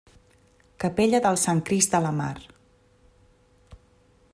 Capella del Sant Crist de la Mar.